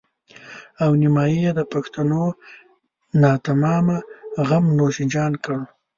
او نيمایي د پښتنو ناتمامه غم نوش جان کړه.